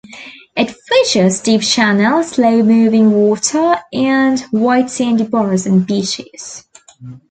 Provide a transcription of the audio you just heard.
It features deep channels, slow moving water, and white sandy bars and beaches.